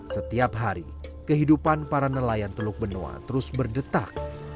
setiap hari kehidupan para nelayan teluk benoa terus berdetak